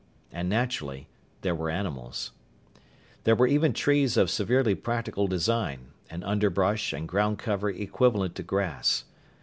And naturally there were animals. There were even trees of severely practical design, and underbrush and ground cover equivalent to grass.